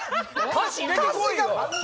歌詞入れてこいよ！